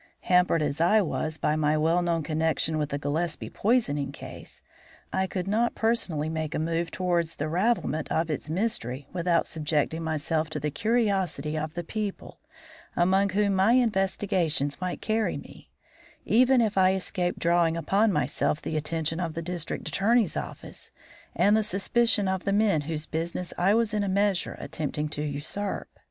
Hampered as I was by my well known connection with the Gillespie poisoning case, I could not personally make a move towards the ravelment of its mystery without subjecting myself to the curiosity of the people among whom my investigations might carry me, even if I escaped drawing upon myself the attention of the District Attorney's office and the suspicion of the men whose business I was in a measure attempting to usurp.